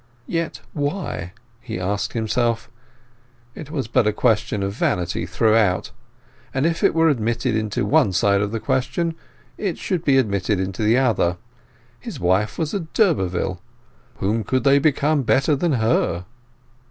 "Yet why?" he asked himself. It was but a question of vanity throughout; and if that were admitted into one side of the equation it should be admitted into the other. His wife was a d'Urberville: whom could they become better than her?